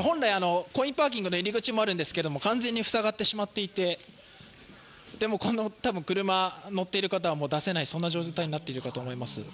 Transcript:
本来、コインパーキングの入り口もあるんですけど完全に塞がってしまっていてでも、この車に乗っている方は、もう出せない状態になっているかと思います。